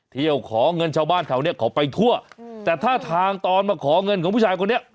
ขอเงินชาวบ้านแถวเนี้ยเขาไปทั่วแต่ท่าทางตอนมาขอเงินของผู้ชายคนนี้